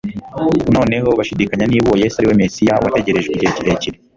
noneho bashidikanya niba uwo Yesu ari we Mesiya wategerejwe igihe kirekire.